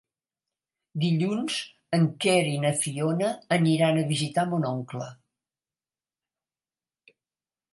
Dilluns en Quer i na Fiona aniran a visitar mon oncle.